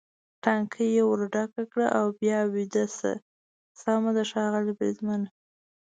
ټانکۍ یې ور ډکه کړه او بیا ویده شه، سمه ده ښاغلی بریدمنه.